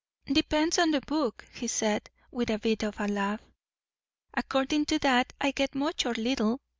"Depends on the book," he said, with a bit of a laugh. "Accordin' to that, I get much or little.